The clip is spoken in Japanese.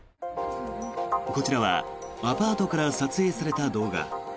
こちらはアパートから撮影された動画。